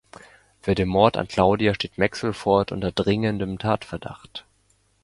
Für den Mord an Claudia steht Maxwell Ford unter dringendem Tatverdacht.